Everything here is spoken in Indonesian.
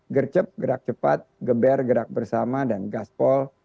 gercep gerak cepat geber gerak bersama dan gaspol